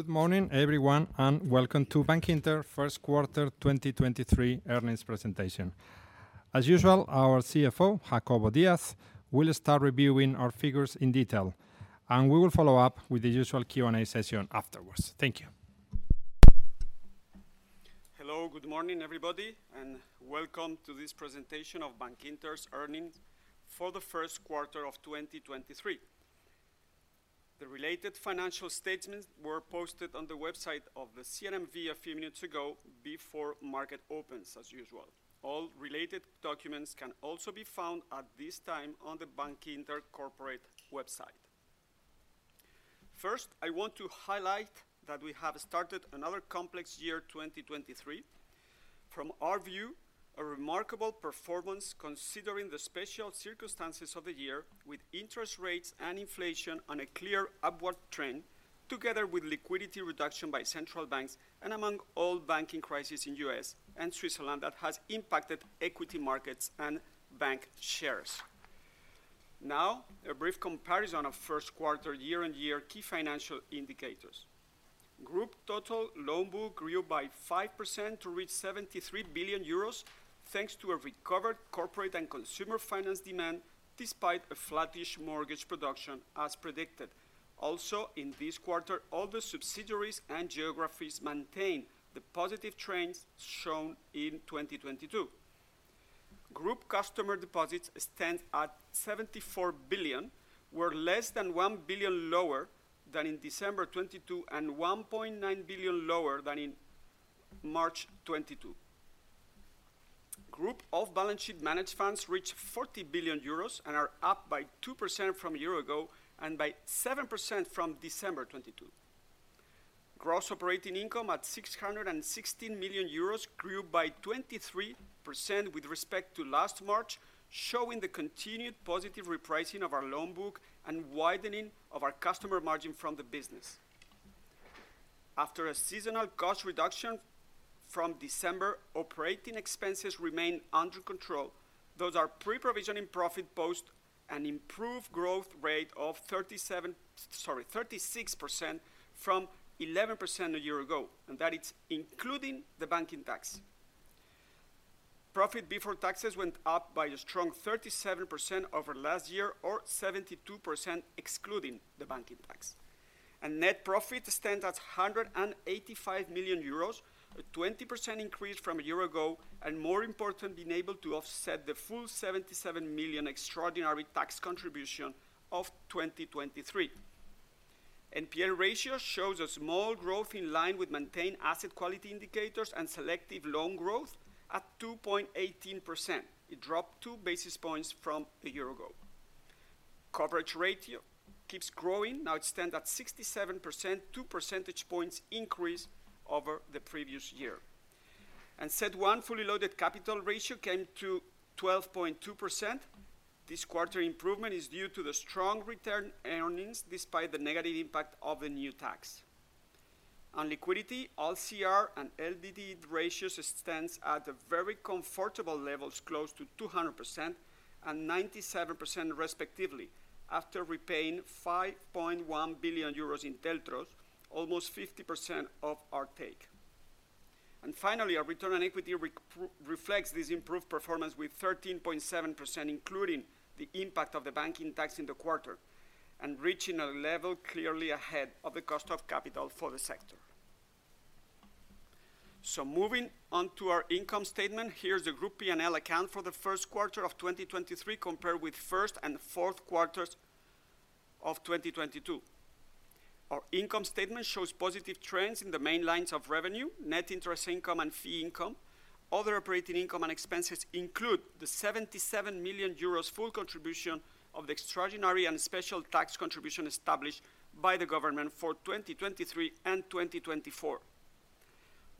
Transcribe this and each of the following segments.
Good morning, everyone. Welcome to Bankinter Q1 2023 earnings presentation. As usual, our CFO, Jacobo Díaz, will start reviewing our figures in detail, and we will follow up with the usual Q&A session afterwards. Thank you. Hello. Good morning, everybody, and welcome to this presentation of Bankinter's earnings for the Q1 of 2023. The related financial statements were posted on the website of the CNMV a few minutes ago before market opens, as usual. All related documents can also be found at this time on the Bankinter corporate website. First, I want to highlight that we have started another complex year, 2023. From our view, a remarkable performance considering the special circumstances of the year with interest rates and inflation on a clear upward trend, together with liquidity reduction by central banks and among all banking crisis in U.S. and Switzerland that has impacted equity markets and bank shares. Now, a brief comparison of Q1 year-on-year key financial indicators. Group total loan book grew by 5% to reach 73 billion euros thanks to a recovered corporate and consumer finance demand despite a flattish mortgage production as predicted. In this quarter, all the subsidiaries and geographies maintain the positive trends shown in 2022. Group customer deposits stand at 74 billion, were less than 1 billion lower than in December 2022, and 1.9 billion lower than in March 2022. Group off-balance sheet managed funds reached 40 billion euros and are up by 2% from a year ago and by 7% from December 2022. Gross operating income at 616 million euros grew by 23% with respect to last March, showing the continued positive repricing of our loan book and widening of our customer margin from the business. After a seasonal cost reduction from December, operating expenses remain under control, thus our Pre-Provision Profit post an improved growth rate of 36% from 11% a year ago. That is including the banking tax. Profit Before taxes went up by a strong 37% over last year or 72% excluding the banking tax. Net profit stands at 185 million euros, a 20% increase from a year ago, and more importantly, being able to offset the full 77 million extraordinary tax contribution of 2023. NPL ratio shows a small growth in line with maintained asset quality indicators and selective loan growth at 2.18%. It dropped 2 basis points from a year ago. Coverage ratio keeps growing. Now it stand at 67%, 2 percentage points increase over the previous year. CET1 fully loaded capital ratio came to 12.2%. This quarter improvement is due to the strong return earnings, despite the negative impact of the new tax. On liquidity, LCR and LDR ratios stands at very comfortable levels, close to 200% and 97% respectively, after repaying 5.1 billion euros in TLTROs, almost 50% of our take. Finally, our return on equity reflects this improved performance with 13.7%, including the impact of the banking tax in the quarter and reaching a level clearly ahead of the cost of capital for the sector. Moving on to our income statement, here's the group P&L account for the Q1 of 2023 compared with first and Q4 of 2022. Our income statement shows positive trends in the main lines of revenue, net interest income and fee income. Other operating income and expenses include the 77 million euros full contribution of the extraordinary and special tax contribution established by the government for 2023 and 2024.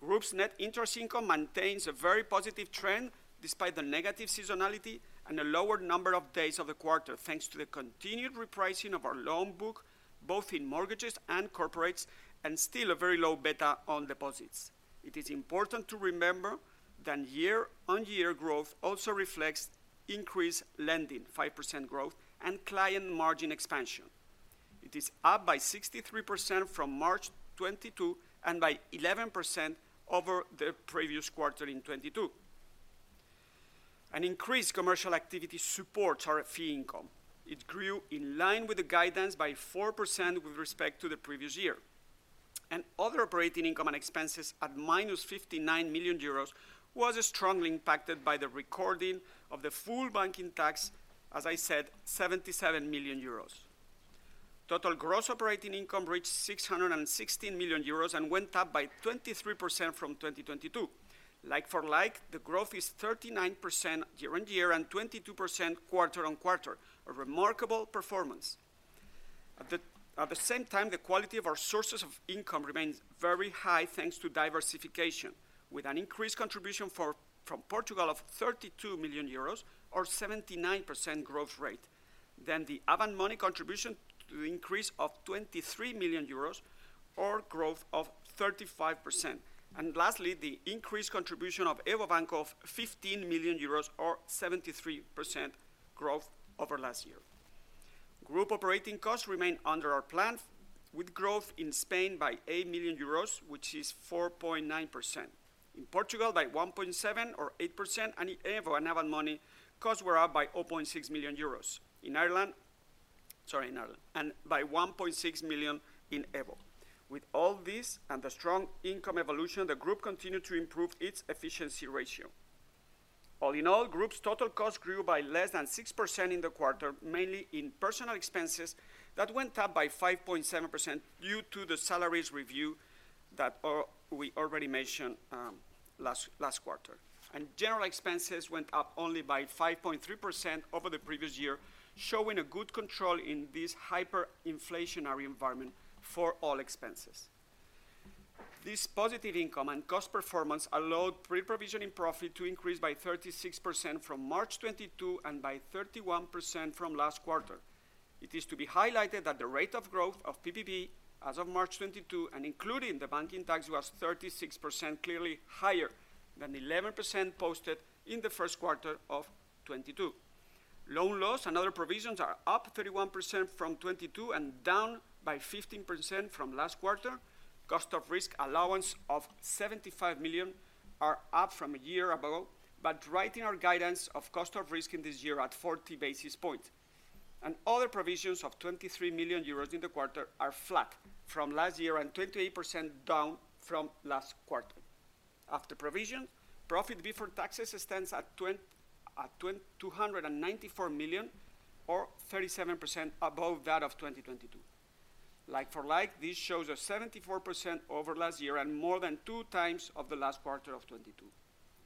Group's net interest income maintains a very positive trend despite the negative seasonality and a lower number of days of the quarter, thanks to the continued repricing of our loan book, both in mortgages and corporates, and still a very low beta on deposits. It is important to remember that year-on-year growth also reflects increased lending, 5% growth, and client margin expansion. It is up by 63% from March 2022 and by 11% over the previous quarter in 2022. An increased commercial activity supports our fee income. It grew in line with the guidance by 4% with respect to the previous year. Other operating income and expenses at minus 59 million euros was strongly impacted by the recording of the full banking tax, as I said, 77 million euros. Total gross operating income reached 616 million euros and went up by 23% from 2022. Like for like, the growth is 39% year-on-year and 22% quarter-on-quarter. A remarkable performance. At the same time, the quality of our sources of income remains very high, thanks to diversification, with an increased contribution from Portugal of 32 million euros or 79% growth rate. The Avant Money contribution to the increase of 23 million euros or growth of 35%. Lastly, the increased contribution of EVO Banco of 15 million euros or 73% growth over last year. Group operating costs remain under our plan with growth in Spain by 8 million euros, which is 4.9%. In Portugal by 1.7% or 8%, and in EVO and Avant Money, costs were up by 0.6 million euros. In Ireland. by 1.6 million in EVO. With all this and the strong income evolution, the group continued to improve its efficiency ratio. All in all, group's total cost grew by less than 6% in the quarter, mainly in personal expenses that went up by 5.7% due to the salaries review that we already mentioned last quarter. General expenses went up only by 5.3% over the previous year, showing a good control in this hyperinflationary environment for all expenses. This positive income and cost performance allowed Pre-Provision Profit to increase by 36% from March 2022, and by 31% from last quarter. It is to be highlighted that the rate of growth of PPP as of March 2022, and including the banking tax, was 36%, clearly higher than 11% posted in the Q1 of 2022. Loan loss and other provisions are up 31% from 2022 and down by 15% from last quarter. cost of risk allowance of 75 million are up from a year above, but right in our guidance of cost of risk in this year at 40 basis points. Other provisions of 23 million euros in the quarter are flat from last year and 28% down from last quarter. After provision, profit before taxes stands at 294 million, or 37% above that of 2022. Like for like, this shows a 74% over last year and more than 2 times of the last quarter of 2022.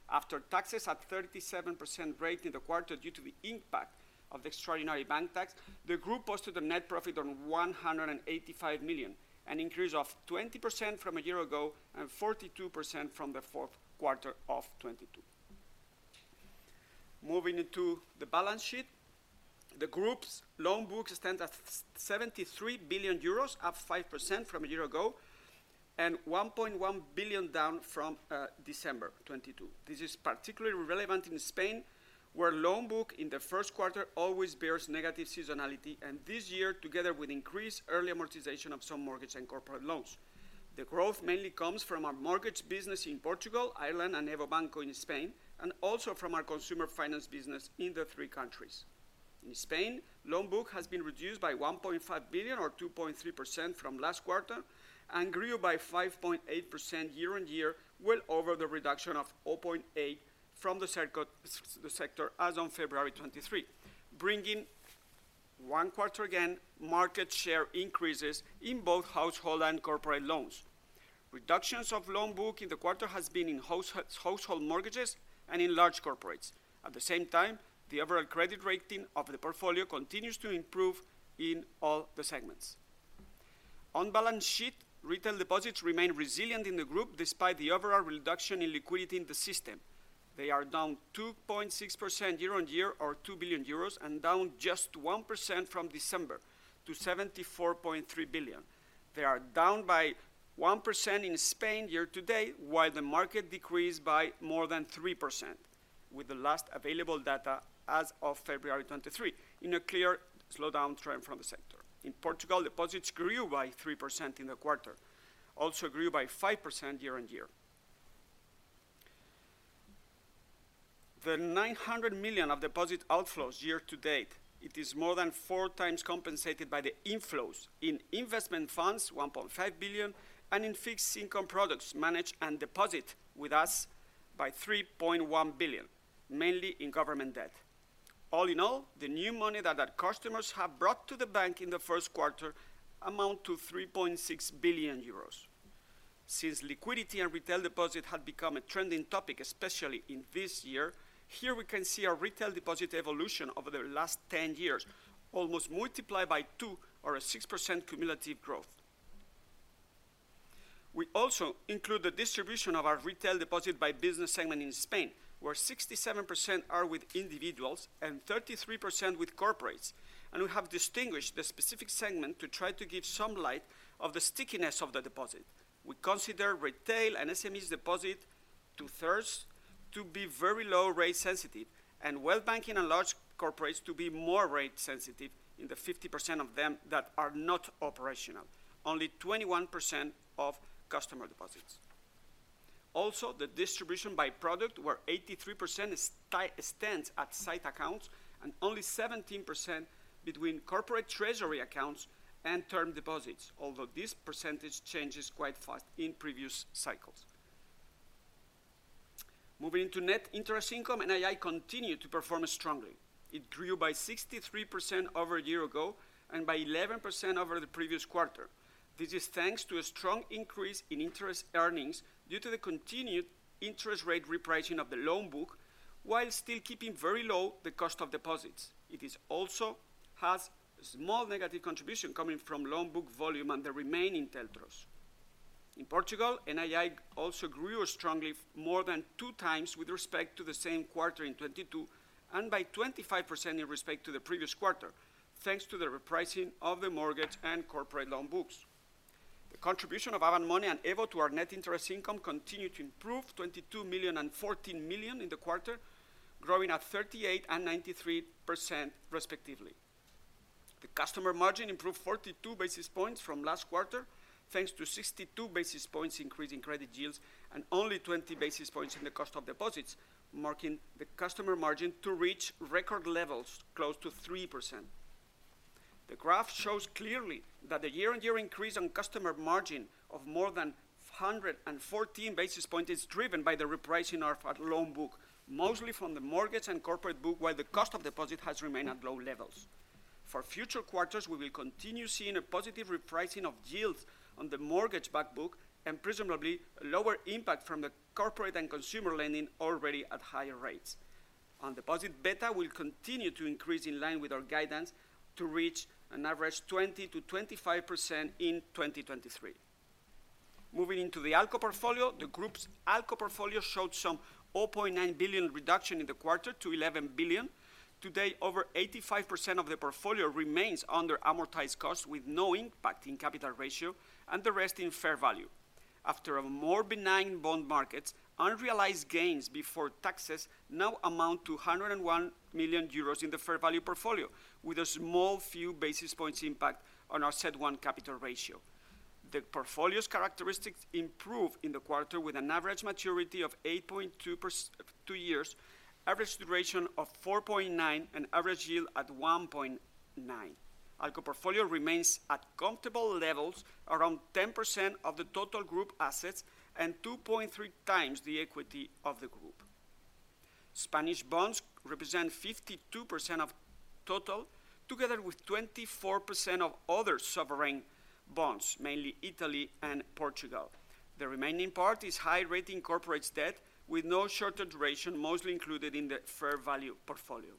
After taxes at 37% rate in the quarter due to the impact of the extraordinary bank tax, the group posted a net profit of 185 million, an increase of 20% from a year ago and 42% from the Q4 of 2022. Moving into the balance sheet, the group's loan books stand at 73 billion euros, up 5% from a year ago, and 1.1 billion down from December 2022. This is particularly relevant in Spain, where loan book in the Q1 always bears negative seasonality. This year, together with increased early amortization of some mortgage and corporate loans. The growth mainly comes from our mortgage business in Portugal, Ireland, and EVO Banco in Spain. Also from our consumer finance business in the three countries. In Spain, loan book has been reduced by 1.5 billion or 2.3% from last quarter and grew by 5.8% year-on-year, well over the reduction of 0.8% from the sector as on February 23, bringing one quarter again, market share increases in both household and corporate loans. Reductions of loan book in the quarter has been in household mortgages and in large corporates. At the same time, the overall credit rating of the portfolio continues to improve in all the segments. On balance sheet, retail deposits remain resilient in the group despite the overall reduction in liquidity in the system. They are down 2.6% year-on-year or 2 billion euros and down just 1% from December to 74.3 billion. They are down by 1% in Spain year to date, while the market decreased by more than 3%, with the last available data as of February 23, in a clear slowdown trend from the sector. In Portugal, deposits grew by 3% in the quarter, also grew by 5% year-on-year. The 900 million of deposit outflows year to date, it is more than 4 times compensated by the inflows in investment funds, 1.5 billion, and in fixed income products managed and deposit with us by 3.1 billion, mainly in government debt. All in all, the new money that our customers have brought to the bank in the Q1 amount to 3.6 billion euros. Since liquidity and retail deposit had become a trending topic, especially in this year, here we can see our retail deposit evolution over the last 10 years, almost multiplied by 2 or a 6% cumulative growth. We also include the distribution of our retail deposit by business segment in Spain, where 67% are with individuals and 33% with corporates. We have distinguished the specific segment to try to give some light of the stickiness of the deposit. We consider retail and SMEs deposit two-thirds to be very low rate sensitive, and wealth banking and large corporates to be more rate sensitive in the 50% of them that are not operational. Only 21% of customer deposits. Also, the distribution by product, where 83% stands at sight accounts, and only 17% between corporate treasury accounts and term deposits. Although this percentage changes quite fast in previous cycles. Moving to Net Interest Income, NII continued to perform strongly. It grew by 63% over a year ago and by 11% over the previous quarter. This is thanks to a strong increase in interest earnings due to the continued interest rate repricing of the loan book, while still keeping very low the cost of deposits. It also has small negative contribution coming from loan book volume and the remaining TLTROs. In Portugal, NII also grew strongly more than 2 times with respect to the same quarter in 2022 and by 25% in respect to the previous quarter, thanks to the repricing of the mortgage and corporate loan books. The contribution of Avant Money and EVO to our net interest income continued to improve: 22 million and 14 million in the quarter, growing at 38% and 93% respectively. The customer margin improved 42 basis points from last quarter, thanks to 62 basis points increase in credit yields and only 20 basis points in the cost of deposits, marking the customer margin to reach record levels close to 3%. The graph shows clearly that the year-on-year increase on customer margin of more than 114 basis points is driven by the repricing of our loan book, mostly from the mortgage and corporate book, while the cost of deposit has remained at low levels. For future quarters, we will continue seeing a positive repricing of yields on the mortgage back book and presumably lower impact from the corporate and consumer lending already at higher rates. On deposit, beta will continue to increase in line with our guidance to reach an average 20%-25% in 2023. Moving into the ALCO portfolio. The group's ALCO portfolio showed some 0.9 billion reduction in the quarter to 11 billion. Today, over 85% of the portfolio remains under amortized costs, with no impact in capital ratio and the rest in fair value. After a more benign bond markets, unrealized gains before taxes now amount to 101 million euros in the fair value portfolio, with a small few basis points impact on our CET1 capital ratio. The portfolio's characteristics improved in the quarter with an average maturity of 8.2 years, average duration of 4.9, and average yield at 1.9. ALCO portfolio remains at comfortable levels, around 10% of the total group assets and 2.3 times the equity of the group. Spanish bonds represent 52% of total, together with 24% of other sovereign bonds, mainly Italy and Portugal. The remaining part is high-rating corporates debt with no shorter duration, mostly included in the fair value portfolio.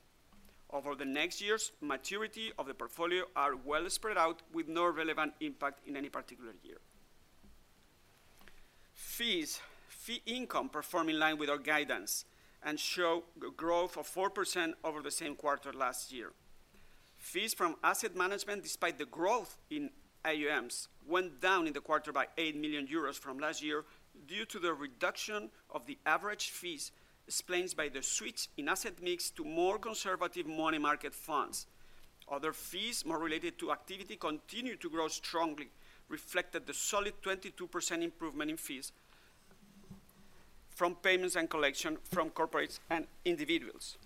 Over the next years, maturity of the portfolio are well spread out, with no relevant impact in any particular year. Fees. Fee income perform in line with our guidance and show growth of 4% over the same quarter last year. Fees from asset management, despite the growth in AUMs, went down in the quarter by 8 million euros from last year due to the reduction of the average fees, explains by the switch in asset mix to more conservative money market funds. Other fees, more related to activity, continued to grow strongly, reflected the solid 22% improvement in fees from payments and collection from corporates and individuals.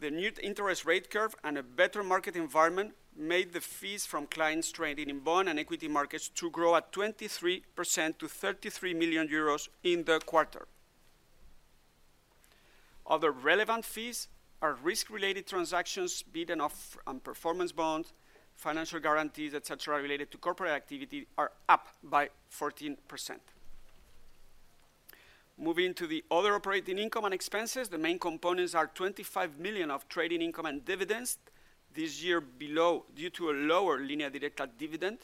The new interest rate curve and a better market environment made the fees from clients trading in bond and equity markets to grow at 23% to 33 million euros in the quarter. Other relevant fees are risk-related transactions, bid and off on performance bonds, financial guarantees, et cetera, related to corporate activity, are up by 14%. Moving to the other operating income and expenses, the main components are 25 million of trading income and dividends, this year below due to a lower Línea Directa dividend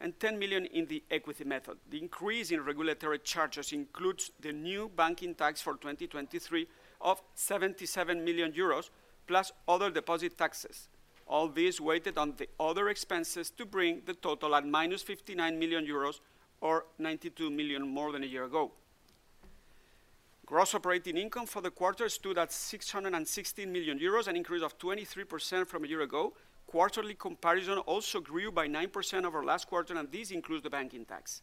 and 10 million in the equity method. The increase in regulatory charges includes the new banking tax for 2023 of 77 million euros, plus other deposit taxes. All this weighted on the other expenses to bring the total at minus 59 million euros or 92 million more than a year ago. Gross operating income for the quarter stood at 660 million euros, an increase of 23% from a year ago. Quarterly comparison also grew by 9% over last quarter. This includes the banking tax.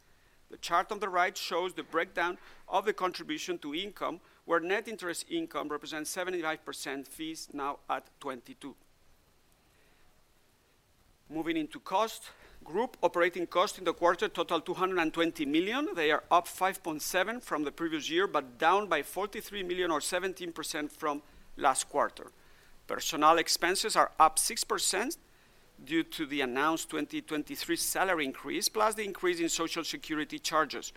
The chart on the right shows the breakdown of the contribution to income, where net interest income represents 75%, fees now at 22%. Moving into cost. Group operating cost in the quarter total 220 million. They are up 5.7% from the previous year, down by 43 million or 17% from last quarter. Personnel expenses are up 6% due to the announced 2023 salary increase, plus the increase in Social Security charges.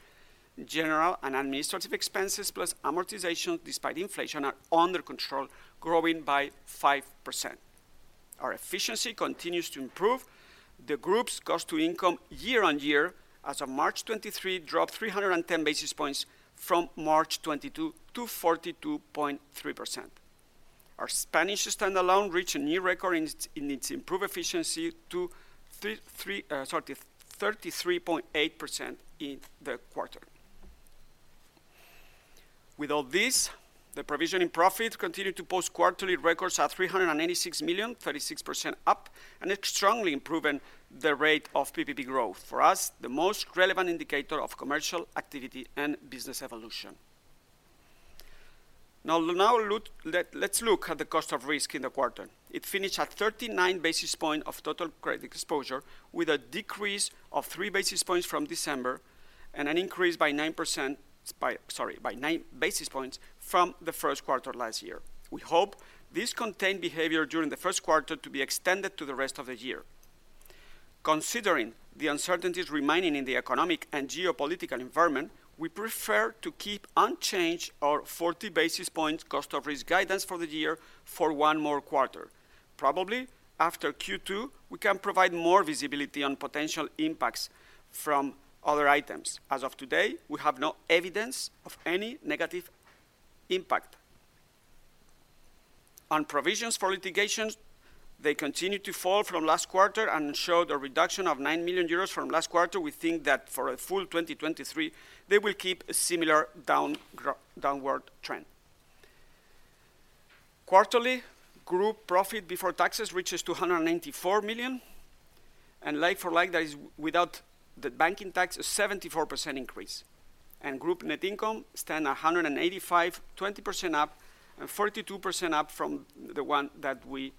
General and administrative expenses plus amortization, despite inflation, are under control, growing by 5%. Our efficiency continues to improve. The group's cost to income year-on-year as of March 23 dropped 310 basis points from March 22 to 42.3%. Our Spanish standalone reached a new record in its improved efficiency to, sorry, 33.8% in the quarter. With all this, the provision in profit continued to post quarterly records at 386 million, 36% up, and it's strongly improving the rate of PPP growth, for us, the most relevant indicator of commercial activity and business evolution. Let's look at the cost of risk in the quarter. It finished at 39 basis points of total credit exposure with a decrease of 3 basis points from December and an increase by 9 basis points from the Q1 last year. We hope this contained behavior during the Q1 to be extended to the rest of the year. Considering the uncertainties remaining in the economic and geopolitical environment, we prefer to keep unchanged our 40 basis points cost of risk guidance for the year for one more quarter. Probably after Q2, we can provide more visibility on potential impacts from other items. As of today, we have no evidence of any negative impact. On provisions for litigations, they continue to fall from last quarter and show the reduction of 9 million euros from last quarter. We think that for a full 2023, they will keep a similar downward trend. Quarterly group profit before taxes reaches 294 million, like for like, that is without the banking tax, a 74% increase. Group net income stand 185 million, 20% up, and 42% up from the one that we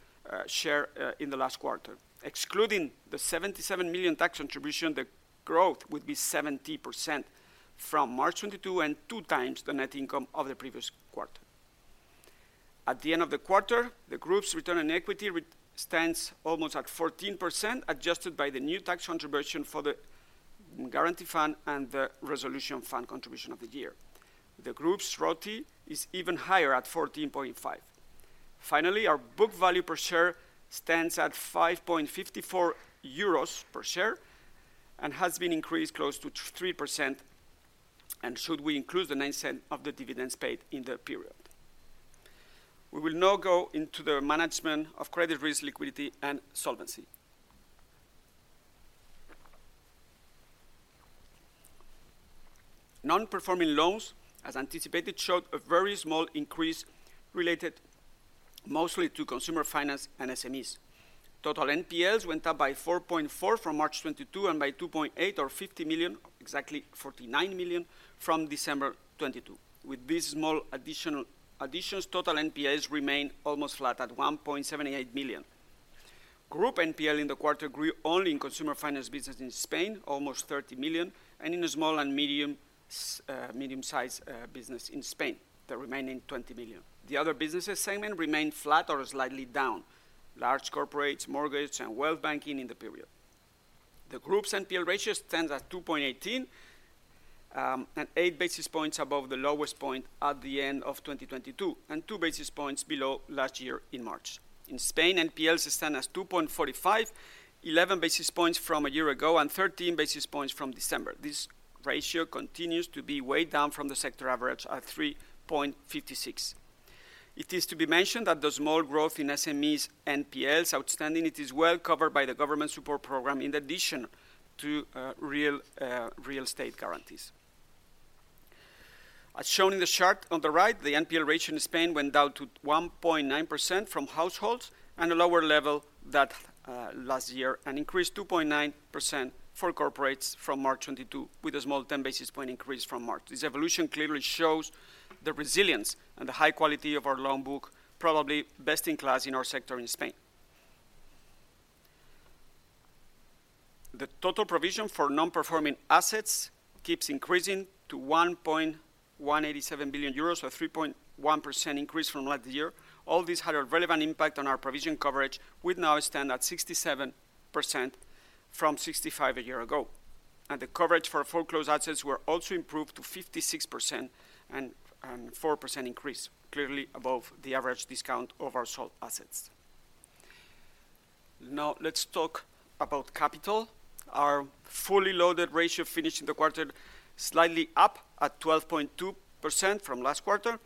share in the last quarter. Excluding the 77 million tax contribution, the growth would be 70% from March 2022 and 2 times the net income of the previous quarter. At the end of the quarter, the group's return on equity stands almost at 14%, adjusted by the new tax contribution for the guarantee fund and the resolution fund contribution of the year. The group's ROTE is even higher at 14.5. Finally, our book value per share stands at 5.54 euros per share and has been increased close to 3%, and should we include the 0.09 of the dividends paid in the period. We will now go into the management of credit risk, liquidity, and solvency. Non-performing loans, as anticipated, showed a very small increase related mostly to consumer finance and SMEs. Total NPLs went up by 4.4 from March 2022 and by 2.8 or 50 million, exactly 49 million, from December 2022. With these small additional additions, total NPLs remain almost flat at 1.78 billion. Group NPL in the quarter grew only in consumer finance business in Spain, almost 30 million, and in the small and medium-sized business in Spain, the remaining 20 million. The other businesses segment remained flat or slightly down, large corporates, mortgage, and wealth banking in the period. The group's NPL ratio stands at 2.18, and 8 basis points above the lowest point at the end of 2022, and 2 basis points below last year in March. In Spain, NPLs stand as 2.45, 11 basis points from a year ago, and 13 basis points from December. This ratio continues to be way down from the sector average at 3.56. It is to be mentioned that the small growth in SMEs NPLs outstanding, it is well covered by the government support program in addition to real estate guarantees. As shown in the chart on the right, the NPL ratio in Spain went down to 1.9% from households and a lower level that last year, and increased 2.9% for corporates from March 2022, with a small 10 basis point increase from March. This evolution clearly shows the resilience and the high quality of our loan book, probably best in class in our sector in Spain. The total provision for non-performing assets keeps increasing to 1.187 billion euros, or 3.1% increase from last year. All this had a relevant impact on our provision coverage, which now stand at 67% from 65 a year ago. The coverage for foreclosed assets were also improved to 56% and 4% increase, clearly above the average discount of our sold assets. Now let's talk about capital. Our fully loaded ratio finished the quarter slightly up at 12.2% from last quarter.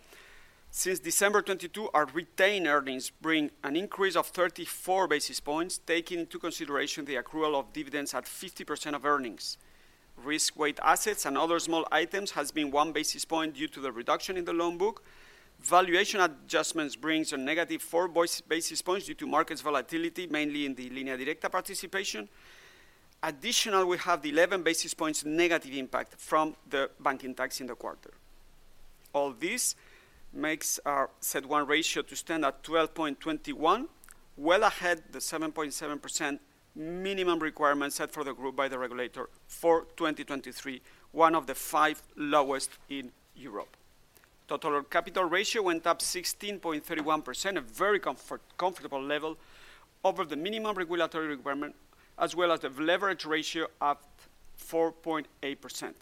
Since December 2022, our retained earnings bring an increase of 34 basis points, taking into consideration the accrual of dividends at 50% of earnings. Risk-weighted assets and other small items has been 1 basis point due to the reduction in the loan book. Valuation adjustments brings a negative 4 basis points due to market volatility, mainly in the Línea Directa participation. Additional, we have the 11 basis points negative impact from the banking tax in the quarter. All this makes our CET1 ratio to stand at 12.21, well ahead the 7.7% minimum requirement set for the group by the regulator for 2023, one of the five lowest in Europe. Total capital ratio went up 16.31%, a very comfortable level over the minimum regulatory requirement, as well as the leverage ratio up 4.8%.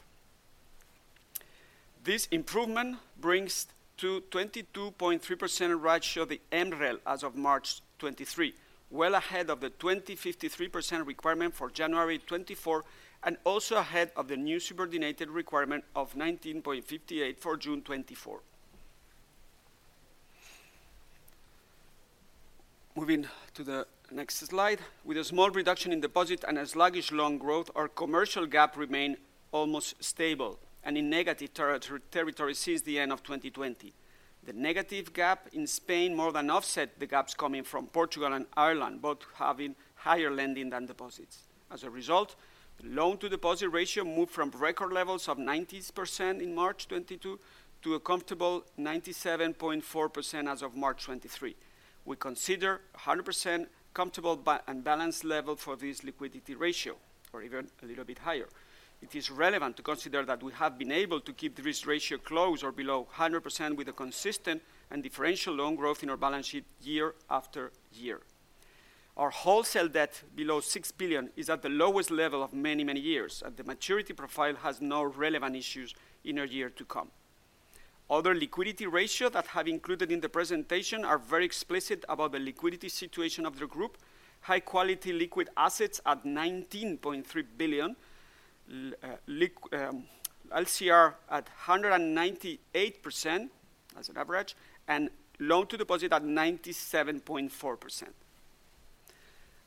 This improvement brings to 22.3% ratio the MREL as of March 2023, well ahead of the 20.53% requirement for January 2024, and also ahead of the new subordinated requirement of 19.58% for June 2024. Moving to the next slide. With a small reduction in deposit and a sluggish loan growth, our commercial gap remained almost stable and in negative territory since the end of 2020. The negative gap in Spain more than offset the gaps coming from Portugal and Ireland, both having higher lending than deposits. loan-to-deposit ratio moved from record levels of 90% in March 2022 to a comfortable 97.4% as of March 2023. We consider 100% comfortable and balanced level for this liquidity ratio, or even a little bit higher. It is relevant to consider that we have been able to keep this ratio close or below 100% with a consistent and differential loan growth in our balance sheet year after year. Our wholesale debt below 6 billion is at the lowest level of many, many years. The maturity profile has no relevant issues in a year to come. Other liquidity ratio that have included in the presentation are very explicit about the liquidity situation of the group. High quality liquid assets at 19.3 billion. LCR at 198% as an average, loan-to-deposit at 97.4%.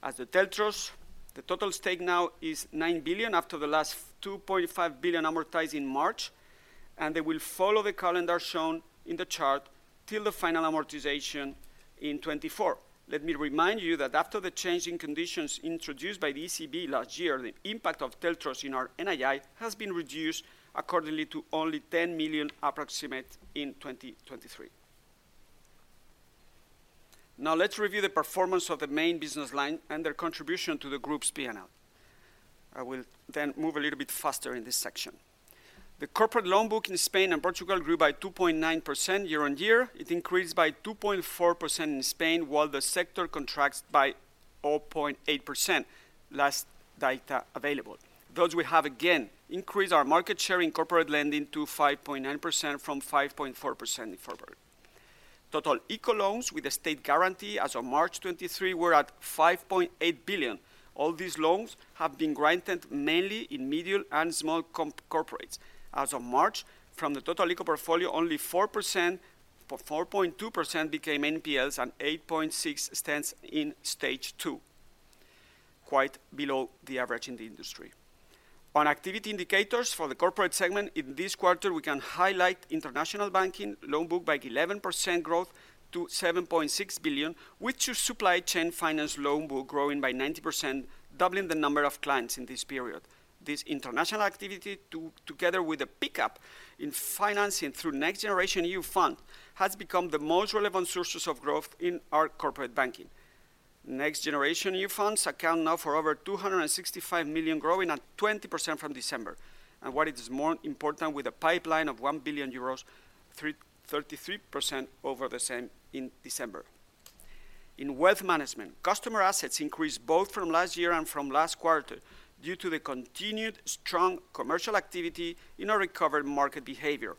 As the TLTROs, the total stake now is 9 billion after the last 2.5 billion amortized in March, and they will follow the calendar shown in the chart till the final amortization in 2024. Let me remind you that after the change in conditions introduced by the ECB last year, the impact of TLTROs in our NII has been reduced accordingly to only 10 million approximate in 2023. Let's review the performance of the main business line and their contribution to the group's P&L. I will move a little bit faster in this section. The corporate loan book in Spain and Portugal grew by 2.9% year-on-year. It increased by 2.4% in Spain, while the sector contracts by 0.8%, last data available. We have again increased our market share in corporate lending to 5.9% from 5.4% in February. Total ICO loans with the state guarantee as of March 2023 were at 5.8 billion. All these loans have been granted mainly in medium and small corporates. As of March, from the total ICO portfolio, only 4.2% became NPLs, and 8.6% stands in Stage 2, quite below the average in the industry. On activity indicators for the corporate segment, in this quarter, we can highlight international banking loan book by 11% growth to 7.6 billion, with your supply chain finance loan book growing by 90%, doubling the number of clients in this period. This international activity together with a pickup in financing through NextGenerationEU fund, has become the most relevant sources of growth in our corporate banking. NextGenerationEU funds account now for over 265 million, growing at 20% from December. What is more important, with a pipeline of 1 billion euros, 33% over the same in December. In wealth management, customer assets increased both from last year and from last quarter due to the continued strong commercial activity in our recovered market behavior.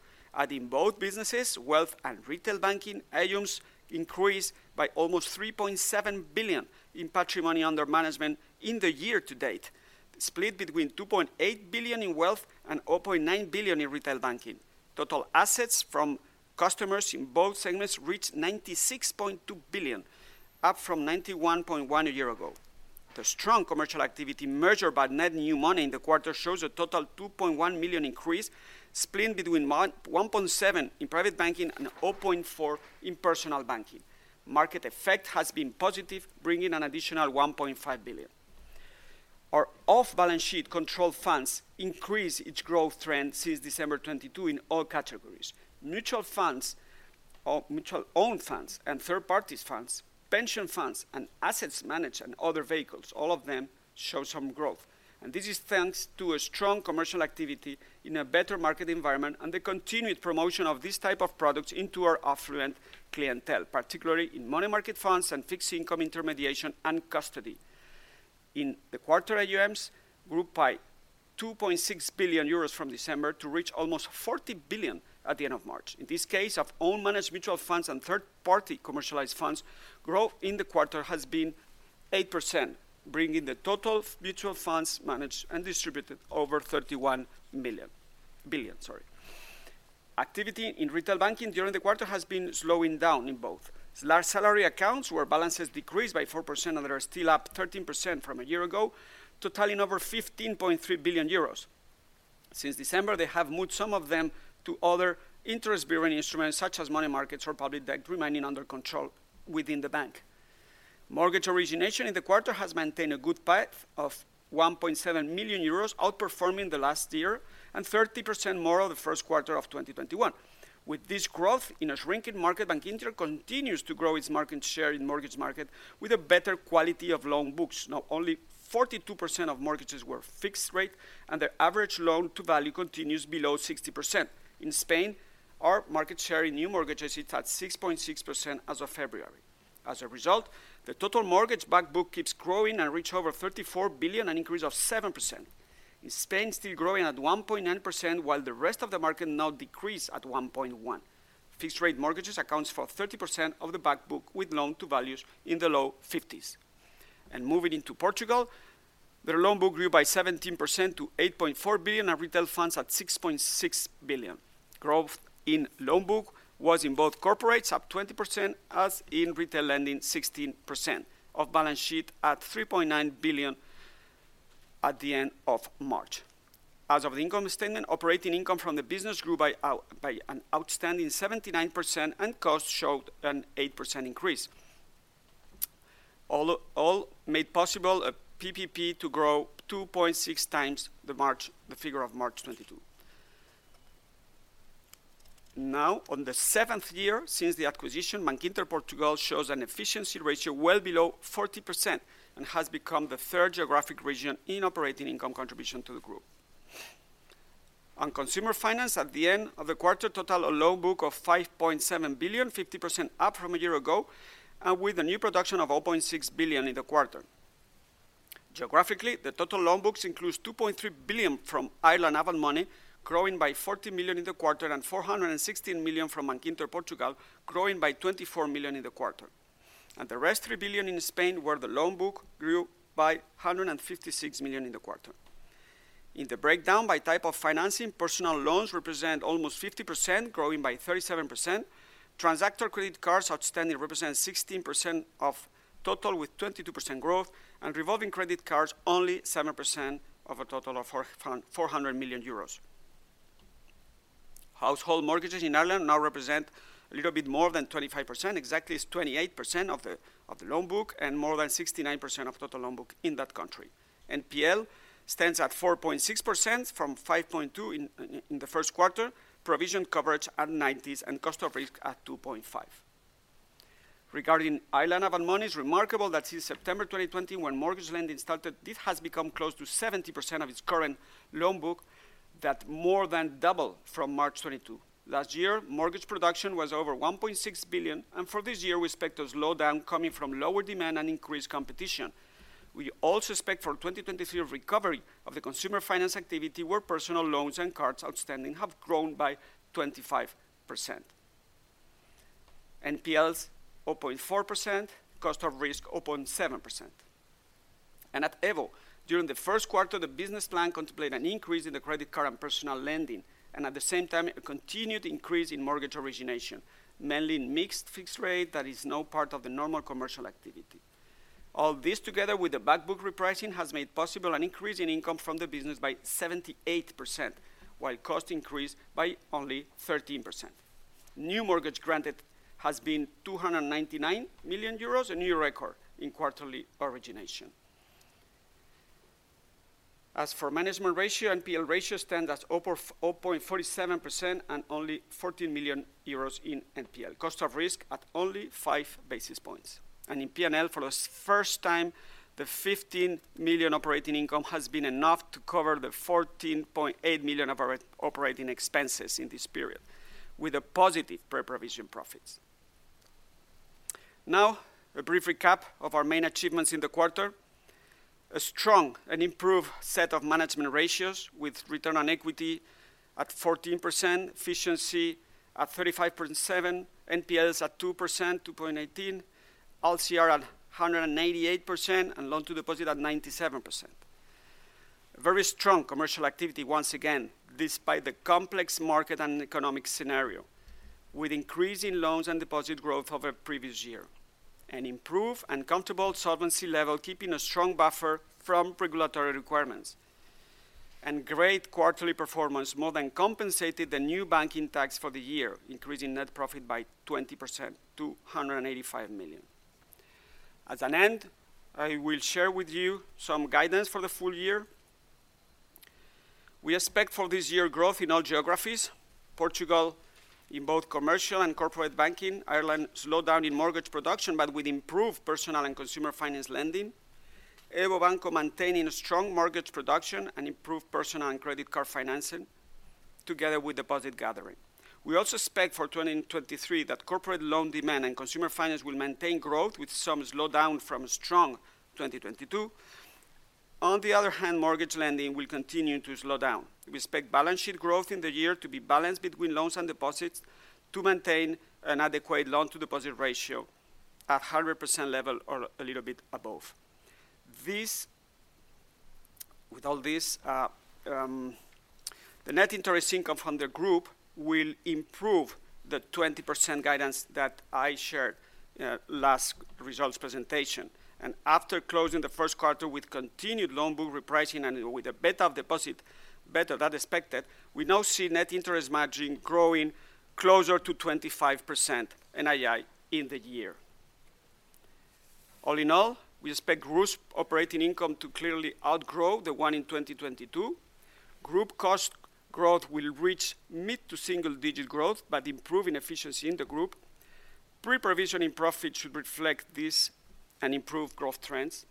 In both businesses, wealth and retail banking, AUMs increased by almost 3.7 billion in patrimony under management in the year to date, split between 2.8 billion in wealth and 0.9 billion in retail banking. Total assets from customers in both segments reached 96.2 billion, up from 91.1 billion a year ago. The strong commercial activity measured by net new money in the quarter shows a total 2.1 million increase, split between 1.7 in private banking and 0.4 in personal banking. Market effect has been positive, bringing an additional 1.5 billion. Our off-balance sheet controlled funds increase its growth trend since December 2022 in all categories. Mutual funds or mutual own funds and third parties funds, pension funds and assets managed and other vehicles, all of them show some growth. This is thanks to a strong commercial activity in a better market environment and the continued promotion of this type of products into our affluent clientele, particularly in money market funds and fixed income intermediation and custody. In the quarter, AUMs grew by 2.6 billion euros from December to reach almost 40 billion at the end of March. In this case, of all managed mutual funds and third-party commercialized funds, growth in the quarter has been 8%, bringing the total mutual funds managed and distributed over 31 million. Billion, sorry. Activity in retail banking during the quarter has been slowing down in both. Large salary accounts, where balances decreased by 4%, although are still up 13% from a year ago, totaling over 15.3 billion euros. Since December, they have moved some of them to other interest-bearing instruments, such as money markets or public debt, remaining under control within the bank. Mortgage origination in the quarter has maintained a good path of 1.7 million euros, outperforming the last year and 30% more of the Q1 of 2021. With this growth in a shrinking market, Bankinter continues to grow its market share in mortgage market with a better quality of loan books. Now, only 42% of mortgages were fixed rate, and their average loan to value continues below 60%. In Spain, our market share in new mortgages is at 6.6% as of February. As a result, the total mortgage bank book keeps growing and reach over 34 billion, an increase of 7%. In Spain, still growing at 1.9%, while the rest of the market now decrease at 1.1%. Fixed-rate mortgages accounts for 30% of the bank book with loan to values in the low fifties. Moving into Portugal, their loan book grew by 17% to 8.4 billion, and retail funds at 6.6 billion. Growth in loan book was in both corporates, up 20%, as in retail lending, 16%. Off-balance sheet at 3.9 billion at the end of March. As of the income statement, operating income from the business grew by an outstanding 79%, and costs showed an 8% increase. All made possible PPP to grow 2.6 times the figure of March 2022. Now, on the 7th year since the acquisition, Bankinter Portugal shows an efficiency ratio well below 40% and has become the 3rd geographic region in operating income contribution to the group. On consumer finance, at the end of the quarter, total loan book of 5.7 billion, 50% up from a year ago, and with a new production of 0.6 billion in the quarter. Geographically, the total loan books includes 2.3 billion from Ireland and Avant Money, growing by 40 million in the quarter, and 416 million from Bankinter Portugal, growing by 24 million in the quarter. The rest, 3 billion in Spain, where the loan book grew by 156 million in the quarter. In the breakdown by type of financing, personal loans represent almost 50%, growing by 37%. Transactor credit cards outstanding represents 16% of total, with 22% growth, and revolving credit cards, only 7% of a total of 400 million euros. Household mortgages in Ireland now represent a little bit more than 25%. Exactly, it's 28% of the loan book and more than 69% of total loan book in that country. NPL stands at 4.6% from 5.2% in the Q1. Provision coverage at 90%, cost of risk at 2.5%. Regarding Ireland Avant Money, it's remarkable that since September 2020, when mortgage lending started, this has become close to 70% of its current loan book. That more than double from March 2022. Last year, mortgage production was over 1.6 billion, for this year, we expect a slowdown coming from lower demand and increased competition. We also expect for 2023 a recovery of the consumer finance activity, where personal loans and cards outstanding have grown by 25%. NPLs, 0.4%. Cost of risk, 0.7%. At EVO, during the Q1, the business plan contemplate an increase in the credit card and personal lending, and at the same time, a continued increase in mortgage origination, mainly in mixed fixed rate that is now part of the normal commercial activity. All this together with the back book repricing has made possible an increase in income from the business by 78%, while cost increased by only 13%. New mortgage granted has been 299 million euros, a new record in quarterly origination. As for management ratio, NPL ratio stands at 0.47% and only 14 million euros in NPL. cost of risk at only 5 basis points. In P&L, for the 1st time, the 15 million operating income has been enough to cover the 14.8 million of operating expenses in this period, with a positive Pre-Provision Profit. A brief recap of our main achievements in the quarter. A strong and improved set of management ratios, with return on equity at 14%, efficiency at 35.7%, NPLs at 2%, 2.18, LCR at 188%, and loan-to-deposit at 97%. A very strong commercial activity once again, despite the complex market and economic scenario, with increase in loans and deposit growth over previous year. An improved and comfortable solvency level, keeping a strong buffer from regulatory requirements. Great quarterly performance more than compensated the new banking tax for the year, increasing net profit by 20% to 185 million. As an end, I will share with you some guidance for the full year. We expect for this year growth in all geographies, Portugal in both commercial and corporate banking, Ireland slowdown in mortgage production but with improved personal and consumer finance lending, EVO Banco maintaining a strong mortgage production and improved personal and credit card financing together with deposit gathering. We also expect for 2023 that corporate loan demand and consumer finance will maintain growth, with some slowdown from strong 2022. On the other hand, mortgage lending will continue to slow down. We expect balance sheet growth in the year to be balanced between loans and deposits to maintain an adequate loan-to-deposit ratio at 100% level or a little bit above. With all this, the net interest income from the group will improve the 20% guidance that I shared last results presentation. After closing the Q1 with continued loan book repricing and with a better deposit, better than expected, we now see net interest margin growing closer to 25% NII in the year. All in all, we expect group's operating income to clearly outgrow the one in 2022. Group cost growth will reach mid to single-digit growth but improving efficiency in the group. Pre-provision in profit should reflect this and improve growth trends.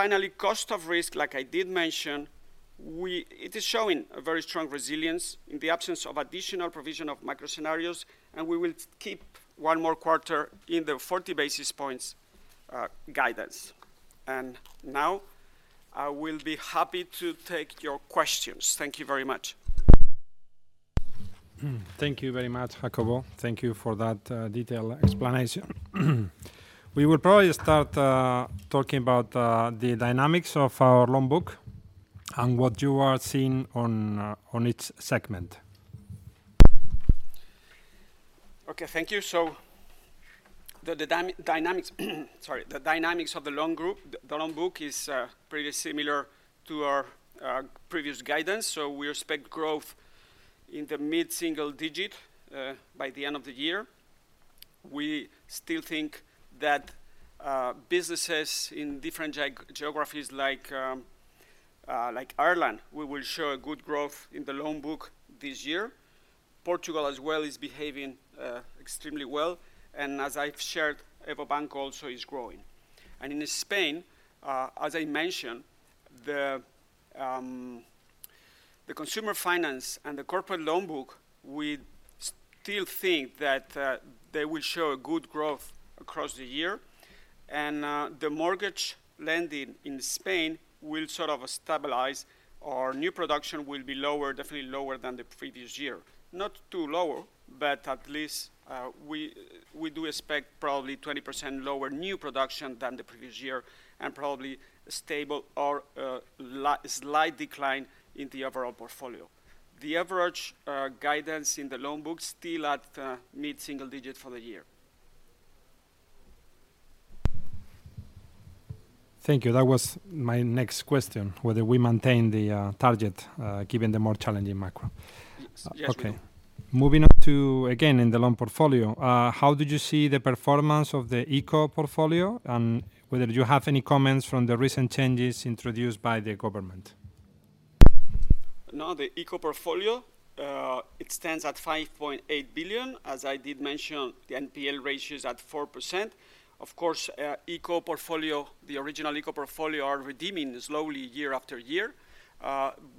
Finally, cost of risk, like I did mention, It is showing a very strong resilience in the absence of additional provision of macro scenarios, and we will keep one more quarter in the 40 basis points guidance. Now, I will be happy to take your questions. Thank you very much. Thank you very much, Jacobo. Thank you for that detailed explanation. We will probably start talking about the dynamics of our loan book and what you are seeing on each segment. Okay, thank you. The dynamics, sorry, the dynamics of the loan group, the loan book is pretty similar to our previous guidance. We expect growth in the mid-single digit by the end of the year. We still think that businesses in different geographies like Ireland, we will show a good growth in the loan book this year. Portugal as well is behaving extremely well. As I've shared, EVO Banco also is growing. In Spain, as I mentioned, the consumer finance and the corporate loan book, we still think that they will show a good growth across the year. The mortgage lending in Spain will sort of stabilize, or new production will be lower, definitely lower than the previous year. Not too low, but at least, we do expect probably 20% lower new production than the previous year and probably stable or, slight decline in the overall portfolio. The average guidance in the loan book still at mid-single digit for the year. Thank you. That was my next question, whether we maintain the target given the more challenging macro. Yes, we do. Okay. Moving on to, again, in the loan portfolio, how did you see the performance of the ICO portfolio and whether you have any comments from the recent changes introduced by the government? The ICO portfolio, it stands at 5.8 billion. As I did mention, the NPL ratio is at 4%. Of course, ICO portfolio, the original ICO portfolio are redeeming slowly year after year.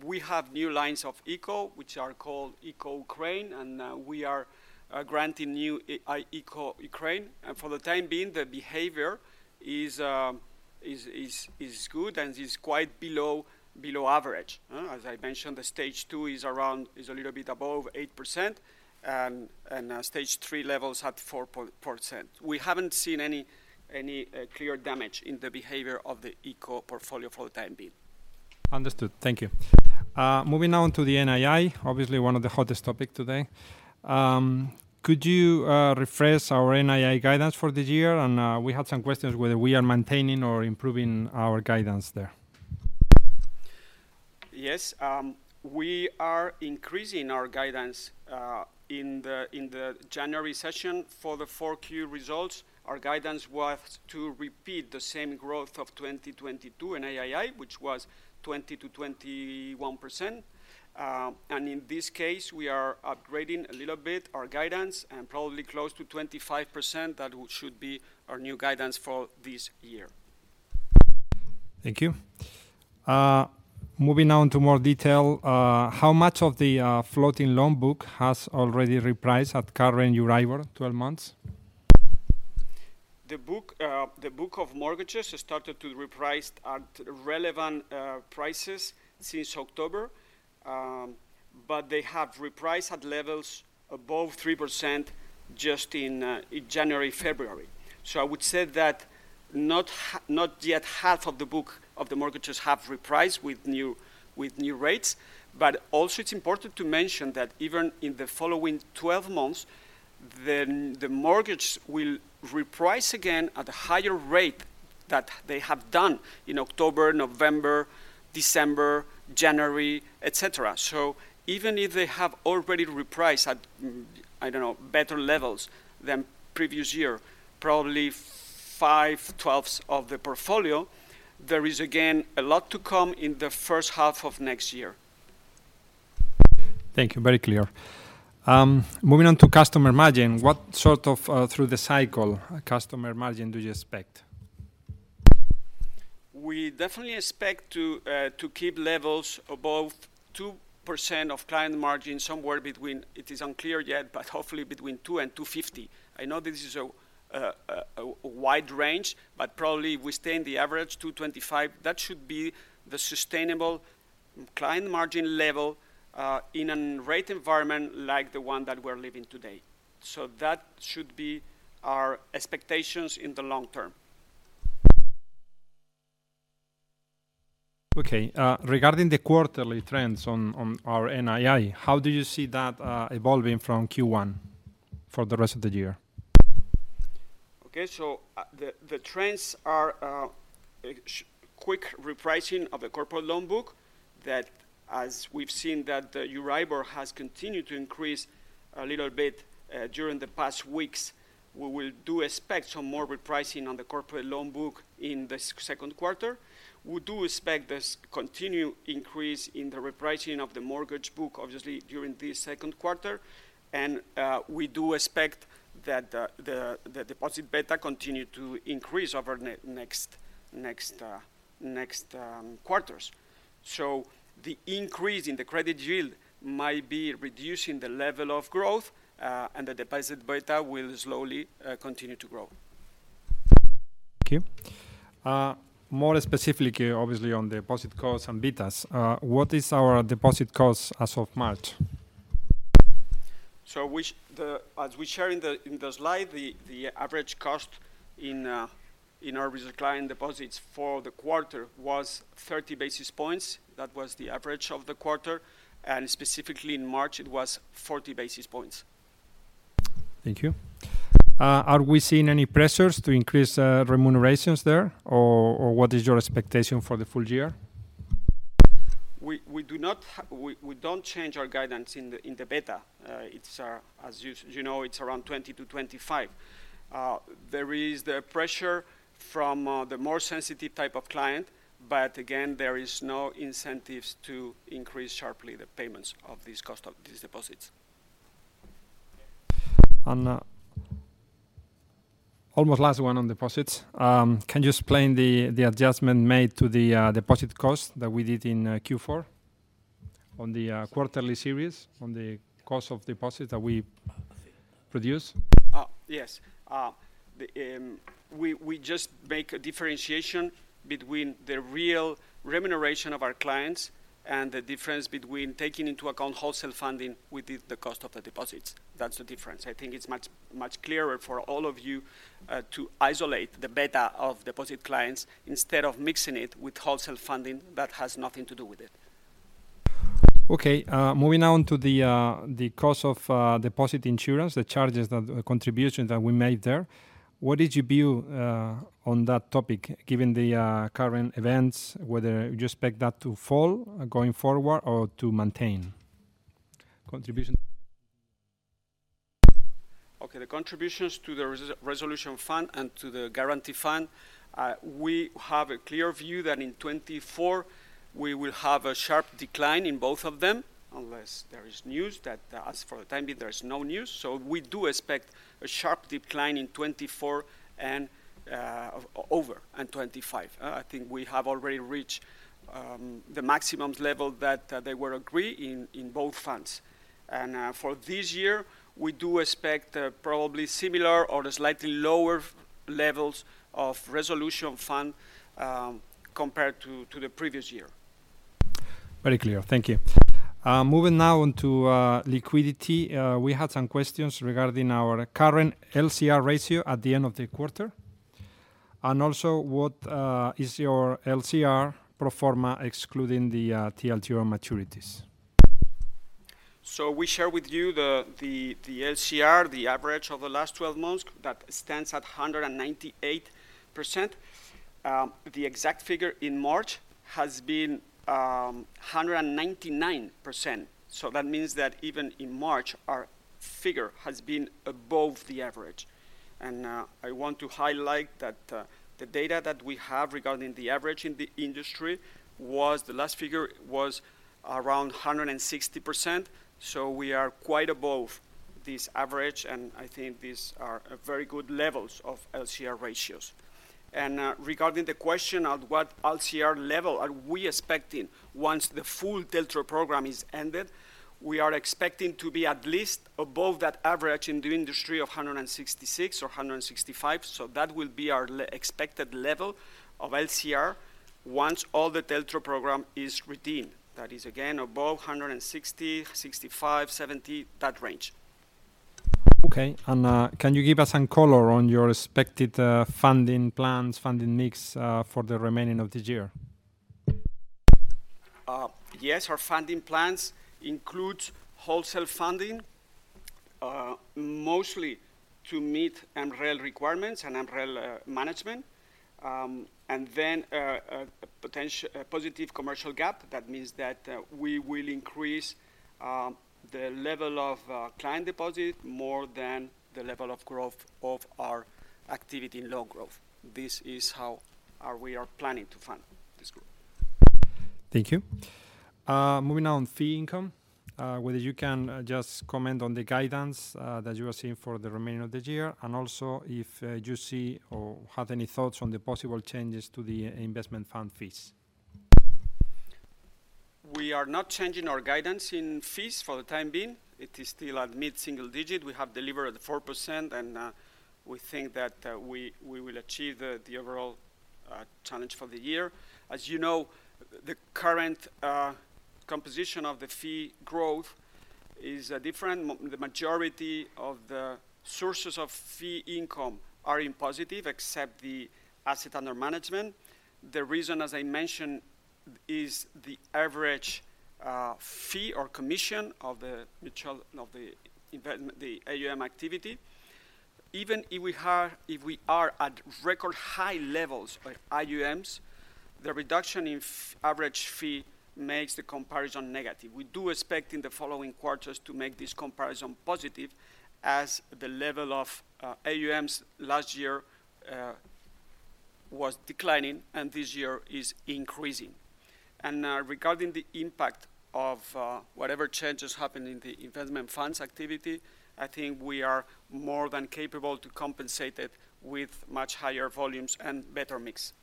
We have new lines of ICO, which are called EVO Banco, and we are granting new EVO Banco. For the time being, the behavior is good and is quite below average. Huh? As I mentioned, the Stage 2 is around, is a little bit above 8% and Stage 3 levels at 4%. We haven't seen any clear damage in the behavior of the ICO portfolio for the time being. Understood. Thank you. Moving on to the NII, obviously one of the hottest topic today. Could you refresh our NII guidance for this year? We had some questions whether we are maintaining or improving our guidance there. Yes, we are increasing our guidance in the January session for the 4Q results. Our guidance was to repeat the same growth of 2022 NII, which was 20%-21%. In this case, we are upgrading a little bit our guidance and probably close to 25%. That should be our new guidance for this year. Thank you. moving on to more detail, how much of the floating loan book has already repriced at current Euribor, 12 months? The book, the book of mortgages has started to reprice at relevant prices since October. They have repriced at levels above 3% just in January, February. I would say that not yet half of the book of the mortgages have repriced with new rates. Also, it's important to mention that even in the following 12 months, then the mortgage will reprice again at a higher rate than they have done in October, November, December, January, et cetera. Even if they have already repriced at, I don't know, better levels than previous year, probably five twelfths of the portfolio, there is again a lot to come in the first half of next year. Thank you. Very clear. Moving on to customer margin, what sort of through the cycle customer margin do you expect? We definitely expect to keep levels above 2% of client margin, somewhere between, it is unclear yet, but hopefully between 2% and 2.50%. I know this is a wide range, but probably we stay in the average 2.25%. That should be the sustainable client margin level in an rate environment like the one that we're living today. That should be our expectations in the long term. Okay. regarding the quarterly trends on our NII, how do you see that evolving from Q1 for the rest of the year? The trends are quick repricing of the corporate loan book that, as we've seen, that Euribor has continued to increase a little bit during the past weeks. We will do expect some more repricing on the corporate loan book in the Q2. We do expect this continued increase in the repricing of the mortgage book, obviously, during the Q2. We do expect that the deposit beta continue to increase over next quarters. The increase in the credit yield might be reducing the level of growth, and the deposit beta will slowly continue to grow. Thank you. More specifically, obviously, on deposit costs and betas, what is our deposit costs as of March? As we share in the, in the slide, the average cost in our reserve client deposits for the quarter was 30 basis points. That was the average of the quarter. Specifically in March, it was 40 basis points. Thank you. Are we seeing any pressures to increase remunerations there or what is your expectation for the full year? We don't change our guidance in the beta. It's, as you know, it's around 20 to 25. There is the pressure from the more sensitive type of client, but again, there is no incentives to increase sharply the payments of these cost of these deposits. Almost last one on deposits. Can you explain the adjustment made to the deposit cost that we did in Q4 on the quarterly series, on the cost of deposit that we produce? Yes, we just make a differentiation between the real remuneration of our clients and the difference between taking into account wholesale funding with the cost of the deposits. That's the difference. I think it's much, much clearer for all of you, to isolate the beta of deposit clients instead of mixing it with wholesale funding that has nothing to do with it. Okay. moving on to the cost of deposit insurance, contribution that we made there. What is your view on that topic, given the current events, whether you expect that to fall going forward or to maintain contribution? Okay. The contributions to the resolution fund and to the guarantee fund, we have a clear view that in 2024 we will have a sharp decline in both of them, unless there is news that, as for the time being, there is no news. We do expect a sharp decline in 2024 and, over in 2025. I think we have already reached, the maximum level that, they were agree in both funds. For this year, we do expect, probably similar or slightly lower levels of resolution fund, compared to the previous year. Very clear. Thank you. Moving now into liquidity. We had some questions regarding our current LCR ratio at the end of the quarter, and also what is your LCR pro forma excluding the TLTRO maturities. We share with you the LCR, the average of the last 12 months, that stands at 198%. The exact figure in March has been 199%. That means that even in March, our figure has been above the average. I want to highlight that the data that we have regarding the average in the industry, the last figure was around 160%. We are quite above this average, and I think these are a very good levels of LCR ratios. Regarding the question at what LCR level are we expecting once the full TLTRO program is ended, we are expecting to be at least above that average in the industry of 166% or 165%. That will be our expected level of LCR once all the TLTRO program is redeemed. That is, again, above 160, 165, 170, that range. Okay. Can you give us some color on your expected funding plans, funding mix, for the remaining of the year? Yes. Our funding plans includes wholesale funding, mostly to meet MREL requirements and MREL management, and then, a positive commercial gap. That means that we will increase the level of client deposit more than the level of growth of our activity in low growth. This is how we are planning to fund this group. Thank you. Moving on, fee income, whether you can just comment on the guidance that you are seeing for the remainder of the year, and also if you see or have any thoughts on the possible changes to the investment fund fees. We are not changing our guidance in fees for the time being. It is still at mid-single digit. We have delivered at 4%, and we think that we will achieve the overall challenge for the year. As you know, the current composition of the fee growth is different. The majority of the sources of fee income are in positive, except the Assets Under Management. The reason, as I mentioned, is the average fee or commission of the AUM activity. Even if we are at record high levels by AUMs, the reduction in average fee makes the comparison negative. We do expect in the following quarters to make this comparison positive as the level of AUMs last year was declining and this year is increasing. Regarding the impact of whatever changes happen in the investment funds activity, I think we are more than capable to compensate it with much higher volumes and better mix.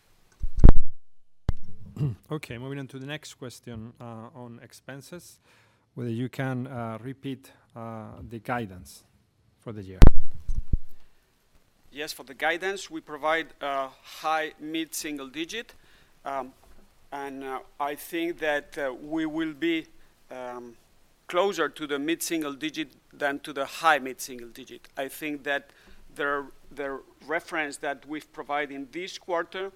Okay, moving on to the next question, on expenses, whether you can repeat the guidance for the year. Yes, for the guidance, we provide a high mid-single digit, and I think that we will be closer to the mid-single digit than to the high mid-single digit. I think that the reference that we've provided this quarter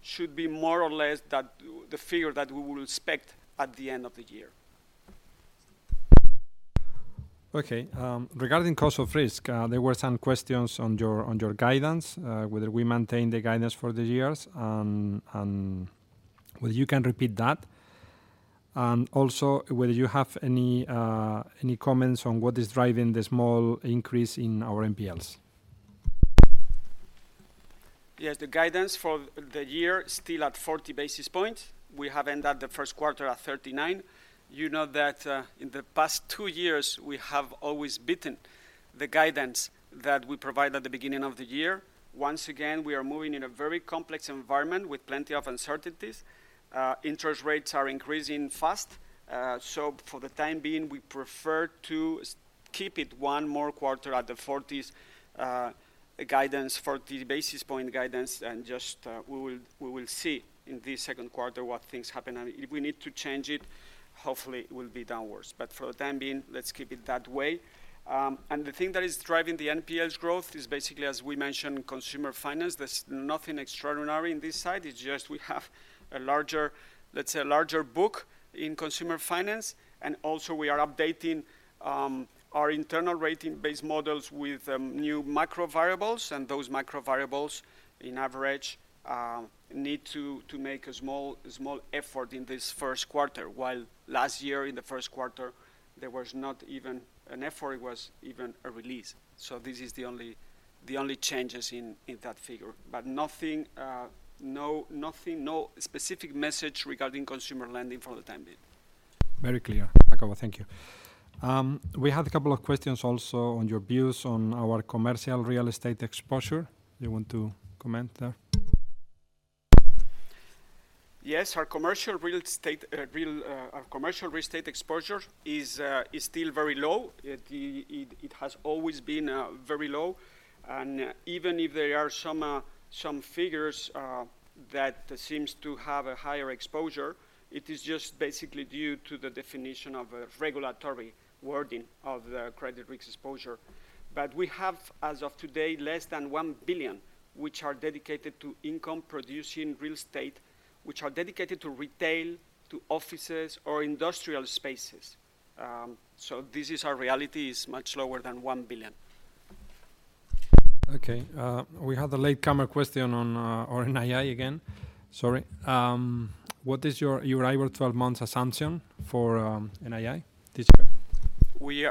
should be more or less that the figure that we will expect at the end of the year. Okay. Regarding cost of risk, there were some questions on your guidance, whether we maintain the guidance for the years and whether you can repeat that. Also, whether you have any comments on what is driving the small increase in our NPLs. Yes, the guidance for the year still at 40 basis points. We have ended the Q1 at 39. You know that, in the past 2 years, we have always beaten the guidance that we provide at the beginning of the year. Once again, we are moving in a very complex environment with plenty of uncertainties. Interest rates are increasing fast. For the time being, we prefer to keep it 1 more quarter at the 40s, guidance, 40 basis point guidance and just, we will see in this Q2 what things happen. If we need to change it, hopefully it will be downwards. For the time being, let's keep it that way. The thing that is driving the NPLs growth is basically, as we mentioned, consumer finance. There's nothing extraordinary in this side. It's just we have a larger, let's say, a larger book in consumer finance. Also we are updating our internal rating-based models with new micro variables. Those micro variables, in average, need to make a small effort in this Q1, while last year in the Q1, there was not even an effort, it was even a release. This is the only changes in that figure. Nothing, no specific message regarding consumer lending for the time being. Very clear, Jacobo. Thank you. We have a couple of questions also on your views on our commercial real estate exposure. You want to comment there? Yes. Our commercial real estate exposure is still very low. It has always been very low. Even if there are some figures that seems to have a higher exposure, it is just basically due to the definition of a regulatory wording of the credit risk exposure. We have, as of today, less than 1 billion, which are dedicated to income producing real estate, which are dedicated to retail, to offices or industrial spaces. This is our reality, is much lower than 1 billion. Okay. We have a late comer question on our NII again. Sorry. What is your year over 12 months assumption for NII this year?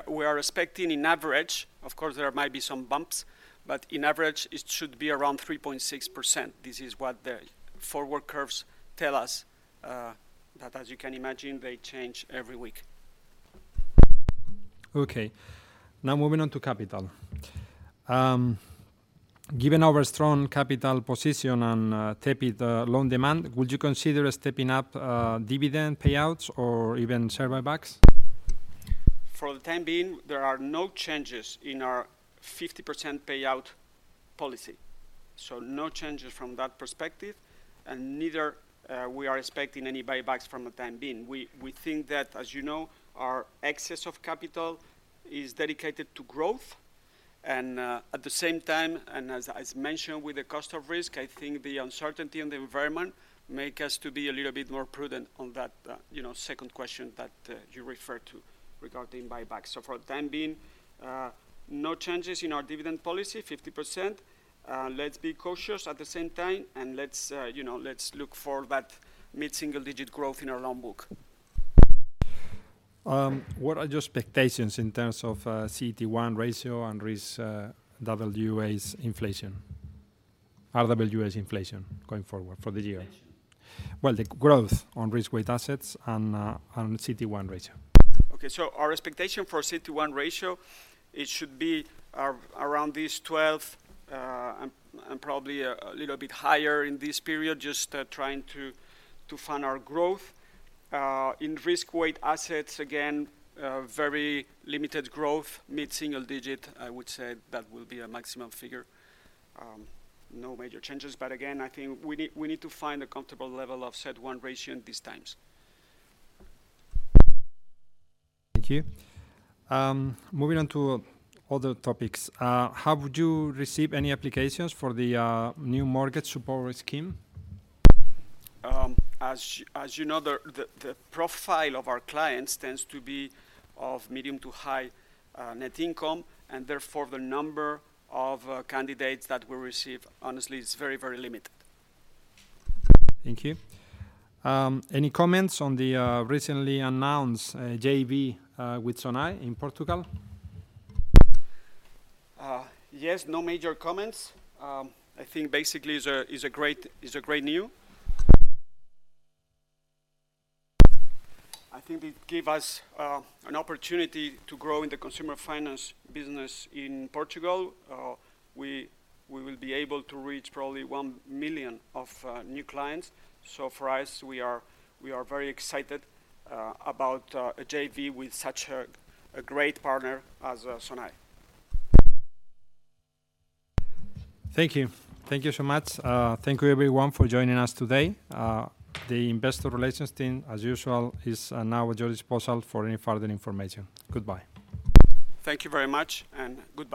We are expecting in average, of course there might be some bumps, but in average, it should be around 3.6%. This is what the forward curves tell us, that as you can imagine, they change every week. Now moving on to capital. Given our strong capital position on tepid loan demand, would you consider stepping up dividend payouts or even share buybacks? For the time being, there are no changes in our 50% payout policy. No changes from that perspective. Neither we are expecting any buybacks from the time being. We think that, as you know, our excess of capital is dedicated to growth and, at the same time, and as mentioned with the cost of risk, I think the uncertainty in the environment make us to be a little bit more prudent on that, you know, second question that you referred to regarding buyback. For the time being, no changes in our dividend policy, 50%. Let's be cautious at the same time and let's, you know, let's look for that mid-single digit growth in our loan book. What are your expectations in terms of CET1 ratio and RWAs inflation going forward for the year? Inflation? Well, the growth on risk-weighted assets and CET1 ratio. Okay. Our expectation for CET1 ratio, it should be around this 12, and probably a little bit higher in this period, just trying to fund our growth. In risk weight assets, again, very limited growth, mid-single digit, I would say that will be a maximum figure. No major changes. Again, I think we need to find a comfortable level of CET1 ratio in these times. Thank you. Moving on to other topics, have you received any applications for the new mortgage support scheme? As you know, the, the profile of our clients tends to be of medium to high net income, and therefore the number of candidates that we receive, honestly, is very, very limited. Thank you. Any comments on the recently announced JV with Sonae in Portugal? Yes. No major comments. I think basically is a great new. I think it give us an opportunity to grow in the consumer finance business in Portugal. We will be able to reach probably 1 million of new clients. For us, we are very excited about a JV with such a great partner as Sonae. Thank you. Thank you so much. Thank you everyone for joining us today. The investor relations team, as usual, is now at your disposal for any further information. Goodbye. Thank you very much, and goodbye.